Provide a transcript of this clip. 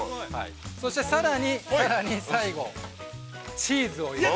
そしてさらに、さらに最後チーズを入れます。